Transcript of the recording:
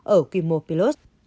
ở quy mô pilot